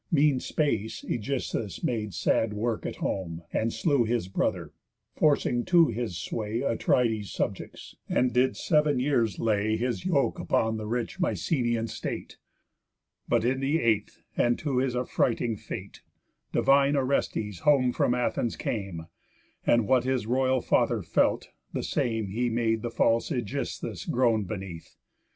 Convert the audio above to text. Mean space Ægisthus made sad work at home, And slew his brother, forcing to his sway Atrides' subjects, and did sev'n years lay His yoke upon the rich Mycenian state. But in the eighth, to his affrighting fate, Divine Orestes home from Athens came, And what his royal father felt, the same He made the false Ægisthus groan beneath.